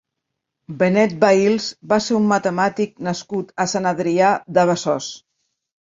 Benet Bails va ser un matemàtic nascut a Sant Adrià de Besòs.